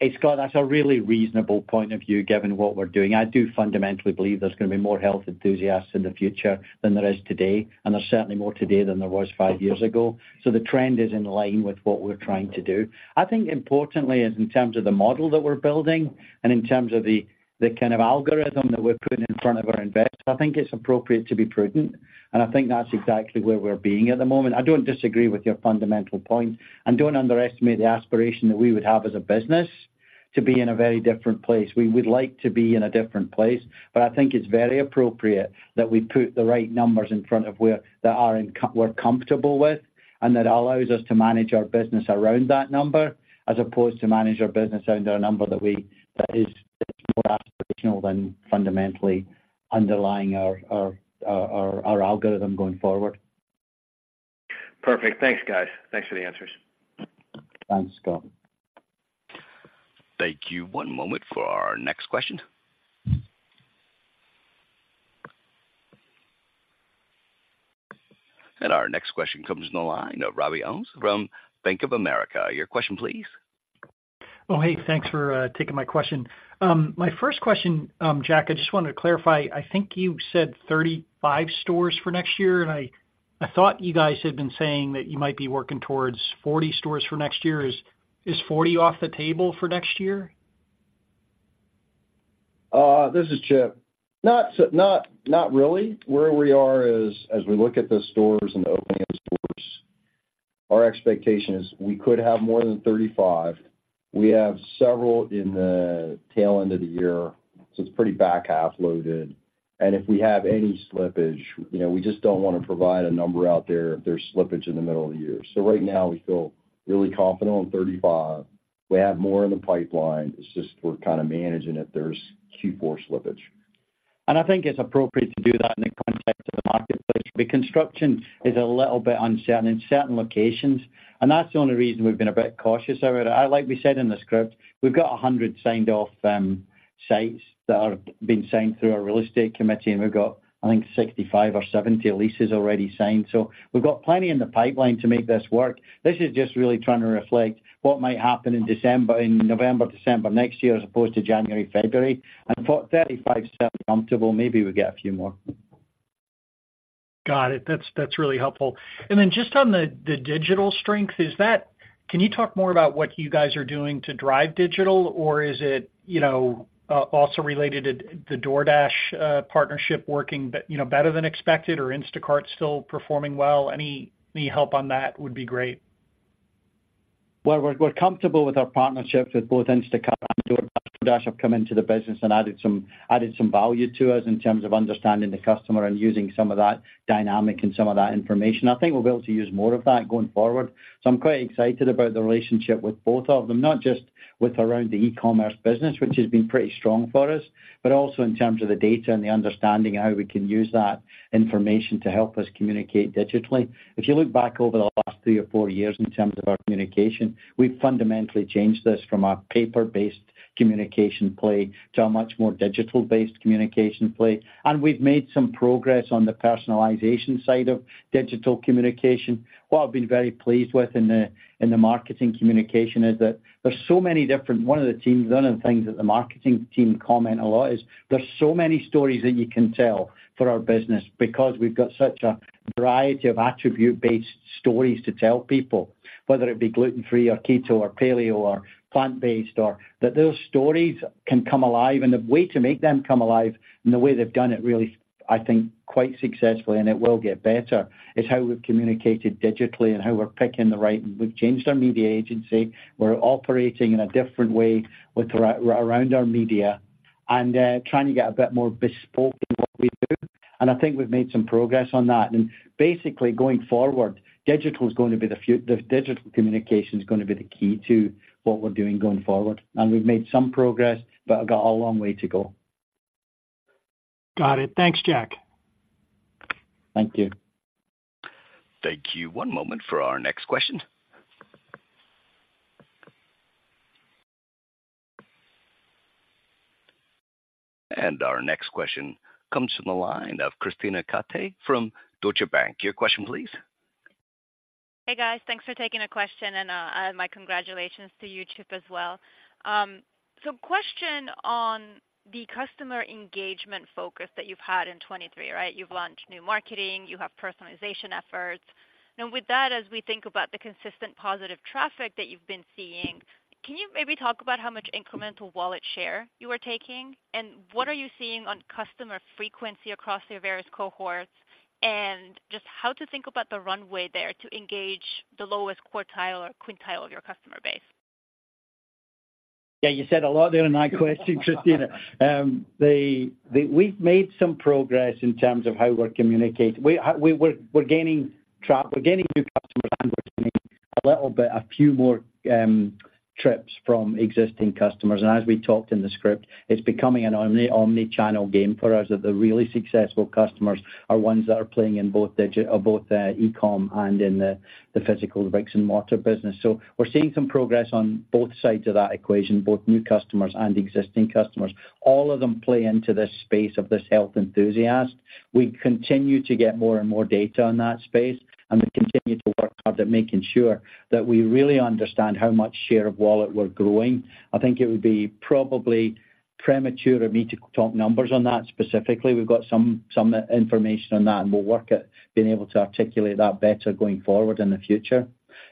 Hey, Scott, that's a really reasonable point of view, given what we're doing. I do fundamentally believe there's gonna be more health enthusiasts in the future than there is today, and there's certainly more today than there was five years ago. So the trend is in line with what we're trying to do. I think importantly, is in terms of the model that we're building and in terms of the, the kind of algorithm that we're putting in front of our investors, I think it's appropriate to be prudent, and I think that's exactly where we're being at the moment. I don't disagree with your fundamental point. Don't underestimate the aspiration that we would have as a business to be in a very different place. We would like to be in a different place, but I think it's very appropriate that we put the right numbers in front of where we're comfortable with, and that allows us to manage our business around that number, as opposed to manage our business around a number that is more aspirational than fundamentally underlying our algorithm going forward. Perfect. Thanks, guys. Thanks for the answers. Thanks, Scott. Thank you. One moment for our next question. Our next question comes in the line of Robbie Ohmes from Bank of America. Your question, please. Well, hey, thanks for taking my question. My first question, Jack, I just wanted to clarify. I think you said 35 stores for next year, and I thought you guys had been saying that you might be working towards 40 stores for next year. Is 40 off the table for next year? This is Chip. Not really. Where we are is, as we look at the stores and the opening of stores, our expectation is we could have more than 35. We have several in the tail end of the year, so it's pretty back half loaded. And if we have any slippage, you know, we just don't want to provide a number out there if there's slippage in the middle of the year. So right now, we feel really confident on 35. We have more in the pipeline. It's just we're kind of managing if there's Q4 slippage. I think it's appropriate to do that in the context of the marketplace. The construction is a little bit uncertain in certain locations, and that's the only reason we've been a bit cautious about it. Like we said in the script, we've got 100 signed off sites that are being signed through our real estate committee, and we've got, I think, 65 or 70 leases already signed. So we've got plenty in the pipeline to make this work. This is just really trying to reflect what might happen in December, in November, December next year, as opposed to January, February. For 35, still comfortable, maybe we get a few more. Got it. That's really helpful. And then just on the digital strength, is that? Can you talk more about what you guys are doing to drive digital? Or is it, you know, also related to the DoorDash partnership working, you know, better than expected, or Instacart still performing well? Any help on that would be great. Well, we're comfortable with our partnerships with both Instacart and DoorDash, have come into the business and added some value to us in terms of understanding the customer and using some of that dynamic and some of that information. I think we'll be able to use more of that going forward. So I'm quite excited about the relationship with both of them, not just with around the e-commerce business, which has been pretty strong for us, but also in terms of the data and the understanding of how we can use that information to help us communicate digitally. If you look back over the last three or four years in terms of our communication, we've fundamentally changed this from a paper-based communication play to a much more digital-based communication play. We've made some progress on the personalization side of digital communication. What I've been very pleased with in the marketing communication is that there's so many different. One of the things that the marketing team comment a lot is there's so many stories that you can tell for our business because we've got such a variety of attribute-based stories to tell people, whether it be gluten-free or keto or paleo or plant-based, or that those stories can come alive, and the way to make them come alive, and the way they've done it really, I think, quite successfully, and it will get better, is how we've communicated digitally and how we're picking the right. We've changed our media agency. We're operating in a different way with around our media and trying to get a bit more bespoke in what we do. And I think we've made some progress on that. Basically, going forward, digital is going to be the digital communication is gonna be the key to what we're doing going forward. We've made some progress, but got a long way to go. Got it. Thanks, Jack. Thank you. Thank you. One moment for our next question. Our next question comes from the line of Krisztina Katai from Deutsche Bank. Your question, please. Hey, guys. Thanks for taking the question, and, my congratulations to you, Chip, as well. So question on the customer engagement focus that you've had in 2023, right? You've launched new marketing, you have personalization efforts. Now, with that, as we think about the consistent positive traffic that you've been seeing, can you maybe talk about how much incremental wallet share you are taking? And what are you seeing on customer frequency across your various cohorts? And just how to think about the runway there to engage the lowest quartile or quintile of your customer base. Yeah, you said a lot there in that question, Krisztina. We've made some progress in terms of how we're communicating. We're gaining new customers and we're seeing a little bit, a few more trips from existing customers. And as we talked in the script, it's becoming an omni-channel game for us, that the really successful customers are ones that are playing in both e-com and in the physical bricks-and-mortar business. So we're seeing some progress on both sides of that equation, both new customers and existing customers. All of them play into this space of this health enthusiast. We continue to get more and more data on that space, and we continue to work hard at making sure that we really understand how much share of wallet we're growing. I think it would be probably premature of me to talk numbers on that specifically. We've got some, some information on that, and we'll work at being able to articulate that better going forward in the future.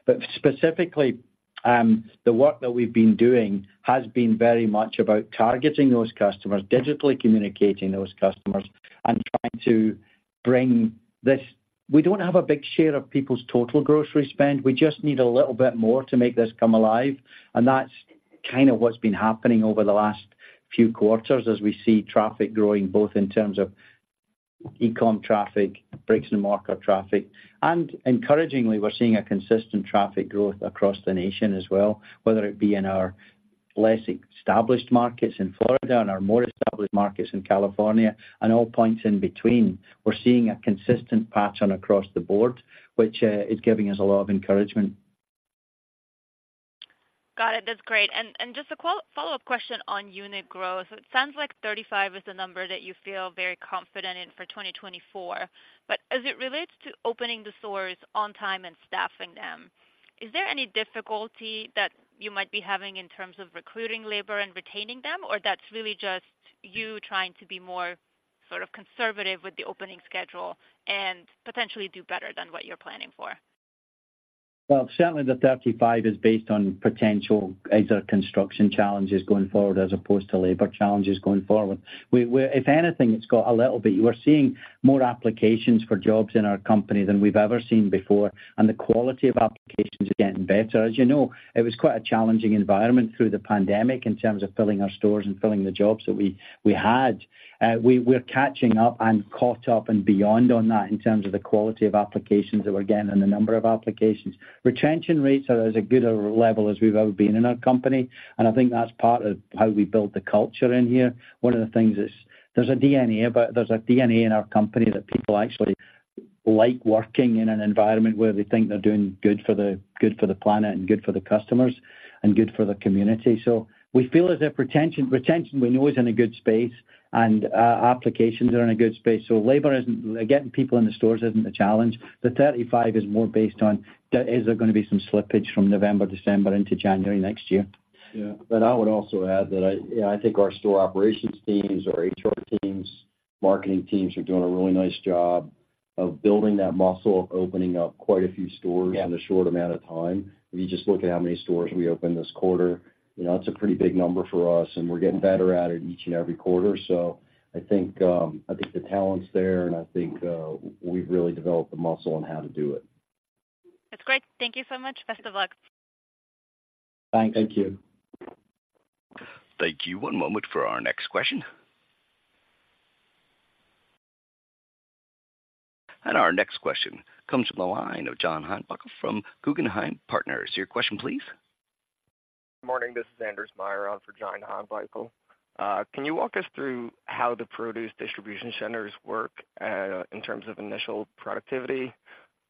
But specifically, the work that we've been doing has been very much about targeting those customers, digitally communicating those customers, and trying to bring this... We don't have a big share of people's total grocery spend. We just need a little bit more to make this come alive, and that's kind of what's been happening over the last few quarters as we see traffic growing, both in terms of e-com traffic, bricks-and-mortar traffic. And encouragingly, we're seeing a consistent traffic growth across the nation as well, whether it be in our less established markets in Florida and our more established markets in California and all points in between. We're seeing a consistent pattern across the board, which is giving us a lot of encouragement. Got it. That's great. And just a quick follow-up question on unit growth. It sounds like 35 is the number that you feel very confident in for 2024. But as it relates to opening the stores on time and staffing them, is there any difficulty that you might be having in terms of recruiting labor and retaining them? Or that's really just you trying to be more sort of conservative with the opening schedule and potentially do better than what you're planning for? Well, certainly the 35 is based on potential either construction challenges going forward as opposed to labor challenges going forward. We're—if anything, it's got a little bit. We're seeing more applications for jobs in our company than we've ever seen before, and the quality of applications is getting better. As you know, it was quite a challenging environment through the pandemic in terms of filling our stores and filling the jobs that we had. We're catching up and caught up and beyond on that in terms of the quality of applications that we're getting and the number of applications. Retention rates are as a good a level as we've ever been in our company, and I think that's part of how we built the culture in here. One of the things is, there's a DNA, but there's a DNA in our company that people actually-... like working in an environment where they think they're doing good for the planet and good for the customers and good for the community. So we feel as if retention we know is in a good space, and applications are in a good space. So labor isn't getting people in the stores isn't a challenge. The 35 is more based on, is there gonna be some slippage from November, December into January next year? Yeah, but I would also add that I think our store operations teams, our HR teams, marketing teams are doing a really nice job of building that muscle, of opening up quite a few stores in a short amount of time. If you just look at how many stores we opened this quarter, you know, that's a pretty big number for us, and we're getting better at it each and every quarter. So I think, I think the talent's there, and I think, we've really developed the muscle on how to do it. That's great. Thank you so much. Best of luck. Thank you. Thank you. One moment for our next question. Our next question comes from the line of John Heinbockel from Guggenheim Partners. Your question, please. Good morning, this is Anders Myhre on for John Heinbockel. Can you walk us through how the produce distribution centers work in terms of initial productivity,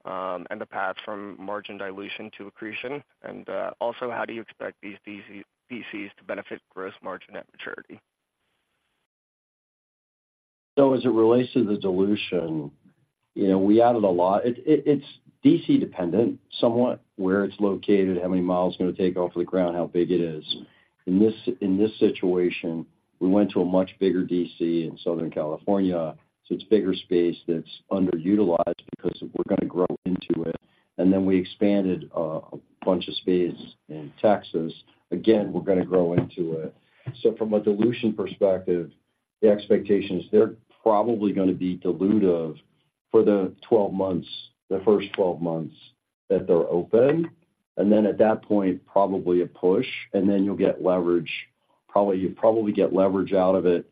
and the path from margin dilution to accretion? And also, how do you expect these DC-DCs to benefit gross margin at maturity? So as it relates to the dilution, you know, we added a lot. It's DC dependent, somewhat, where it's located, how many miles it's gonna take off the ground, how big it is. In this situation, we went to a much bigger DC in Southern California, so it's bigger space that's underutilized because we're gonna grow into it. And then we expanded a bunch of space in Texas. Again, we're gonna grow into it. So from a dilution perspective, the expectations, they're probably gonna be dilutive for the 12 months, the first 12 months that they're open. And then at that point, probably a push, and then you'll get leverage. Probably, you'll probably get leverage out of it.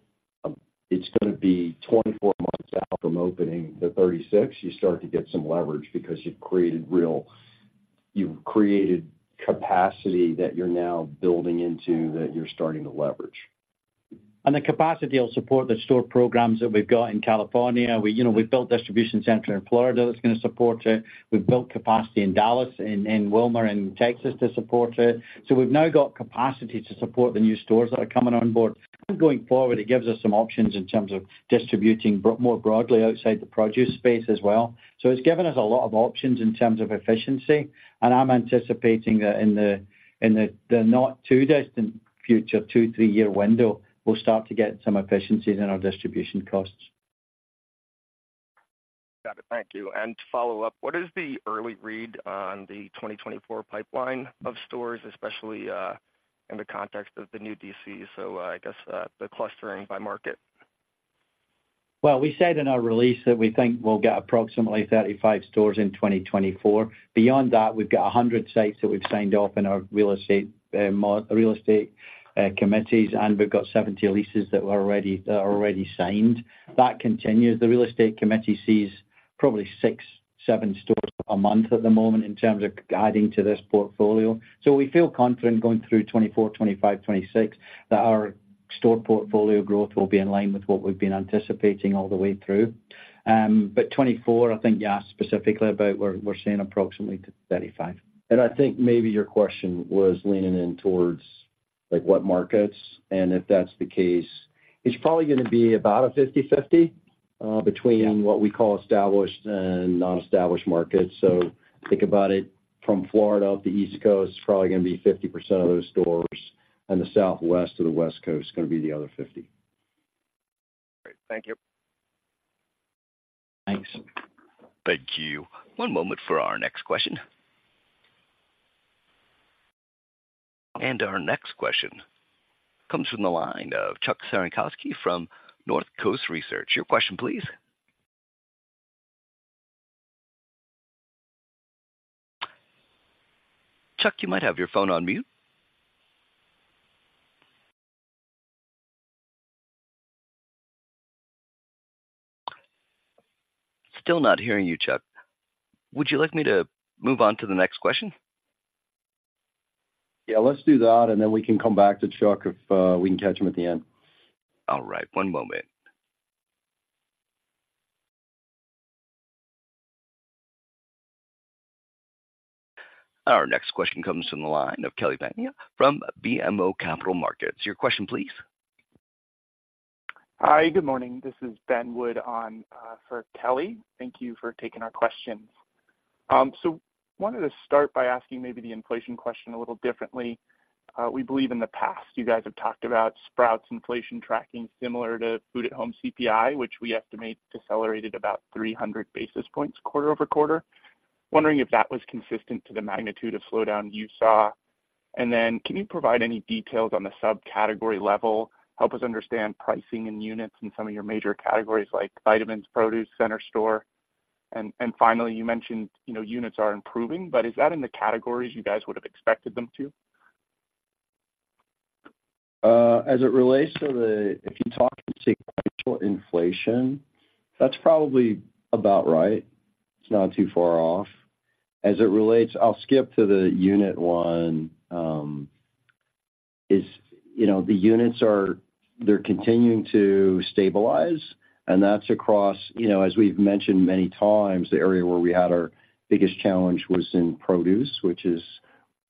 It's gonna be 24 months out from opening, the 36, you start to get some leverage because you've created capacity that you're now building into, that you're starting to leverage. The capacity will support the store programs that we've got in California. We, you know, we've built distribution center in Florida that's gonna support it. We've built capacity in Dallas, in Wilmer, in Texas, to support it. So we've now got capacity to support the new stores that are coming on board. And going forward, it gives us some options in terms of distributing more broadly outside the produce space as well. So it's given us a lot of options in terms of efficiency, and I'm anticipating that in the not too distant future, two, three year window, we'll start to get some efficiencies in our distribution costs. Got it. Thank you. To follow up, what is the early read on the 2024 pipeline of stores, especially in the context of the new DC? So I guess the clustering by market. Well, we said in our release that we think we'll get approximately 35 stores in 2024. Beyond that, we've got 100 sites that we've signed off in our real estate committees, and we've got 70 leases that are already signed. That continues. The real estate committee sees probably six, seven stores a month at the moment in terms of adding to this portfolio. So we feel confident going through 2024, 2025, 2026, that our store portfolio growth will be in line with what we've been anticipating all the way through. But 2024, I think you asked specifically about, we're seeing approximately 35. I think maybe your question was leaning in towards, like, what markets, and if that's the case, it's probably gonna be about a 50/50 between what we call established and non-established markets. So think about it from Florida up the East Coast, it's probably gonna be 50% of those stores, and the Southwest to the West Coast is gonna be the other 50%. Great. Thank you. Thanks. Thank you. One moment for our next question. And our next question comes from the line of Chuck Cerankosky from North Coast Research. Your question, please. Chuck, you might have your phone on mute. Still not hearing you, Chuck. Would you like me to move on to the next question? Yeah, let's do that, and then we can come back to Chuck if we can catch him at the end. All right. One moment. Our next question comes from the line of Kelly Bania from BMO Capital Markets. Your question, please. Hi, good morning. This is Ben Wood on for Kelly. Thank you for taking our questions. So wanted to start by asking maybe the inflation question a little differently. We believe in the past you guys have talked about Sprouts inflation tracking similar to Food at Home CPI, which we estimate decelerated about 300 basis points quarter-over-quarter. Wondering if that was consistent to the magnitude of slowdown you saw? And then, can you provide any details on the subcategory level, help us understand pricing in units in some of your major categories like vitamins, produce, center store? And, and finally, you mentioned, you know, units are improving, but is that in the categories you guys would have expected them to? As it relates to the, if you're talking sequential inflation, that's probably about right. It's not too far off. As it relates, I'll skip to the unit one, is, you know, the units are, they're continuing to stabilize, and that's across, you know, as we've mentioned many times, the area where we had our biggest challenge was in produce, which is,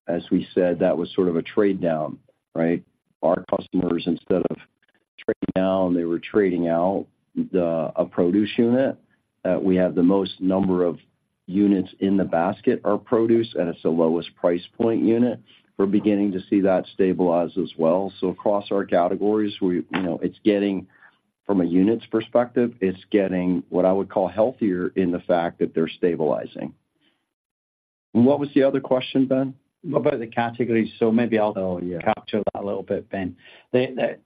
as we said, that was sort of a trade down, right? Our customers, instead of trading down, they were trading out the, a produce unit. We have the most number of units in the basket are produce, and it's the lowest price point unit. We're beginning to see that stabilize as well. So across our categories, we, you know, it's getting, from a units perspective, it's getting what I would call healthier in the fact that they're stabilizing. And what was the other question, Ben? About the categories. So maybe I'll- Oh, yeah Capture that a little bit, Ben.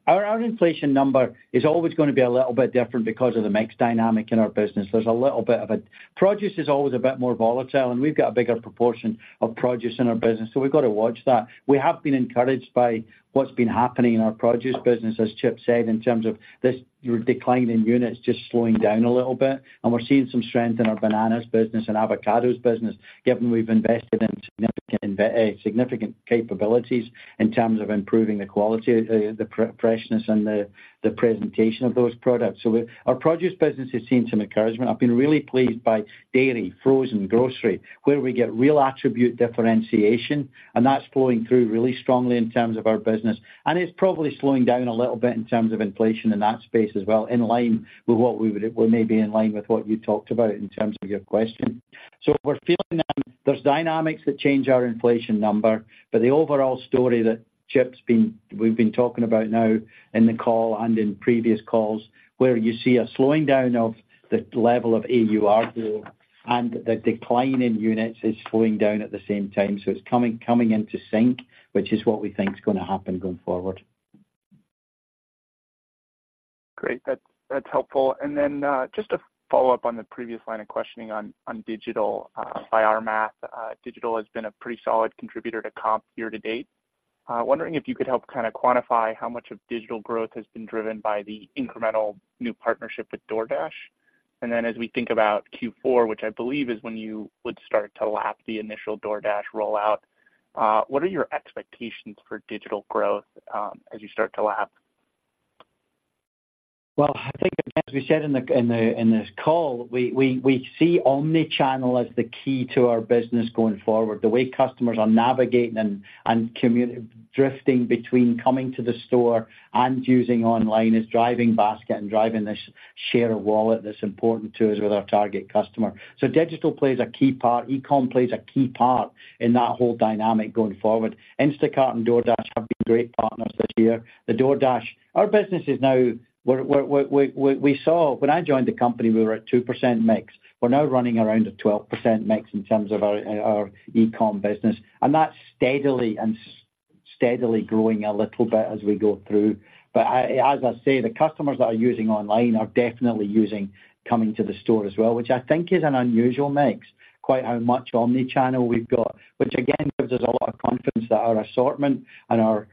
Our inflation number is always gonna be a little bit different because of the mix dynamic in our business. There's a little bit of a produce is always a bit more volatile, and we've got a bigger proportion of produce in our business, so we've got to watch that. We have been encouraged by what's been happening in our produce business, as Chip said, in terms of this decline in units just slowing down a little bit. And we're seeing some strength in our bananas business and avocados business, given we've invested in significant capabilities in terms of improving the quality, the freshness and the presentation of those products. So our produce business has seen some encouragement. I've been really pleased by dairy, frozen, grocery, where we get real attribute differentiation, and that's flowing through really strongly in terms of our business. And it's probably slowing down a little bit in terms of inflation in that space as well, in line with what we would, well, maybe in line with what you talked about in terms of your question. So we're feeling that there's dynamics that change our inflation number, but the overall story that Chip's been, we've been talking about now in the call and in previous calls, where you see a slowing down of the level of AUR pool and the decline in units is slowing down at the same time. So it's coming into sync, which is what we think is gonna happen going forward. Great, that's, that's helpful. And then, just a follow-up on the previous line of questioning on, on digital. By our math, digital has been a pretty solid contributor to comp year to date. Wondering if you could help kind of quantify how much of digital growth has been driven by the incremental new partnership with DoorDash. And then as we think about Q4, which I believe is when you would start to lap the initial DoorDash rollout, what are your expectations for digital growth, as you start to lap? Well, I think, as we said in this call, we see omni-channel as the key to our business going forward. The way customers are navigating and drifting between coming to the store and using online is driving basket and driving this share of wallet that's important to us with our target customer. So digital plays a key part. E-com plays a key part in that whole dynamic going forward. Instacart and DoorDash have been great partners this year. The DoorDash... Our business is now. We saw when I joined the company, we were at 2% mix. We're now running around a 12% mix in terms of our e-com business, and that's steadily growing a little bit as we go through. But I, as I say, the customers that are using online are definitely using coming to the store as well, which I think is an unusual mix, quite how much omni-channel we've got. Which again, gives us a lot of confidence that our assortment and our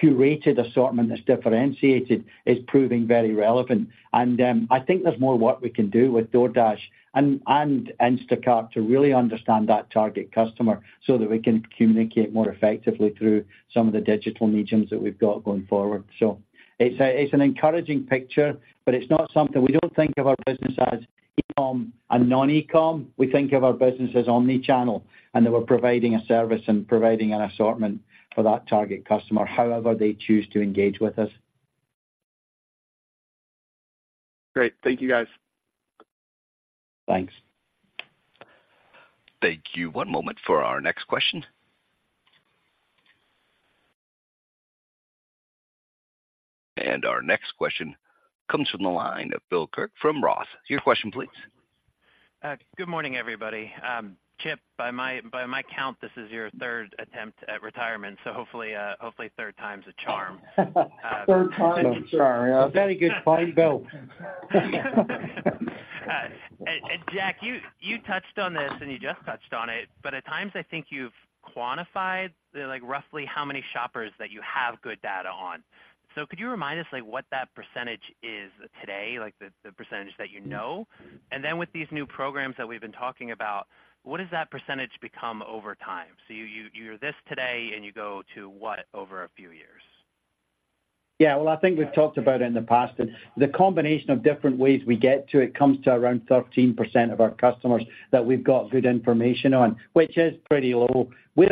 curated assortment that's differentiated is proving very relevant. And, I think there's more work we can do with DoorDash and Instacart to really understand that target customer so that we can communicate more effectively through some of the digital mediums that we've got going forward. So it's an encouraging picture, but it's not something, we don't think of our business as e-com and non-e-com. We think of our business as omni-channel, and that we're providing a service and providing an assortment for that target customer, however they choose to engage with us. Great. Thank you, guys. Thanks. Thank you. One moment for our next question. Our next question comes from the line of Bill Kirk from Roth. Your question, please. Good morning, everybody. Chip, by my count, this is your third attempt at retirement, so hopefully, hopefully, third time's a charm. Third time's a charm. Very good point, Bill. Jack, you touched on this, and you just touched on it, but at times, I think you've quantified like roughly how many shoppers that you have good data on. So could you remind us like what that percentage is today, like the percentage that you know? And then with these new programs that we've been talking about, what does that percentage become over time? So you're this today, and you go to what over a few years? Yeah, well, I think we've talked about in the past, and the combination of different ways we get to it comes to around 13% of our customers that we've got good information on, which is pretty low. We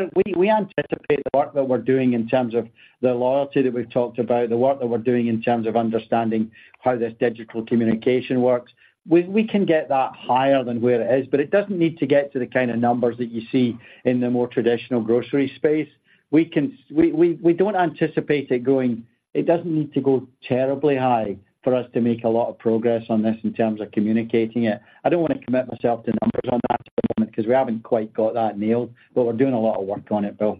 anticipate the work that we're doing in terms of the loyalty that we've talked about, the work that we're doing in terms of understanding how this digital communication works. We can get that higher than where it is, but it doesn't need to get to the kind of numbers that you see in the more traditional grocery space. We can-- We don't anticipate it going... It doesn't need to go terribly high for us to make a lot of progress on this in terms of communicating it. I don't want to commit myself to numbers on that at the moment, because we haven't quite got that nailed, but we're doing a lot of work on it, Bill.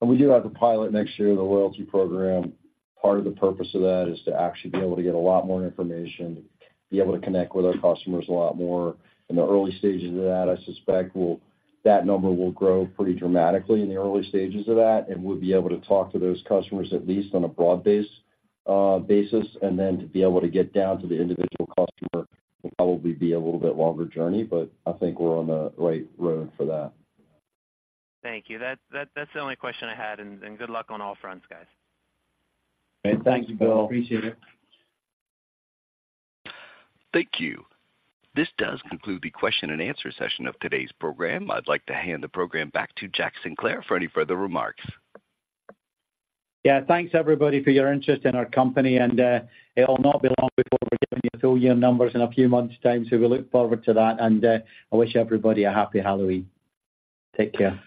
And we do have a pilot next year, the loyalty program. Part of the purpose of that is to actually be able to get a lot more information, be able to connect with our customers a lot more. In the early stages of that, I suspect we'll-- that number will grow pretty dramatically in the early stages of that, and we'll be able to talk to those customers, at least on a broad base, basis. And then to be able to get down to the individual customer will probably be a little bit longer journey, but I think we're on the right road for that. Thank you. That's the only question I had, and good luck on all fronts, guys. Thank you, Bill. Appreciate it. Thank you. This does conclude the question and answer session of today's program. I'd like to hand the program back to Jack Sinclair for any further remarks. Yeah. Thanks, everybody, for your interest in our company, and it'll not be long before we're giving you full year numbers in a few months' time. So we look forward to that, and I wish everybody a happy Halloween. Take care.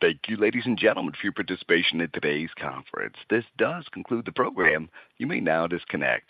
Thank you, ladies and gentlemen, for your participation in today's conference. This does conclude the program. You may now disconnect.